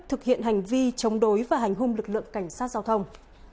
thực hiện hành vi chống đối và hành hung lực lượng cảnh sát giao thông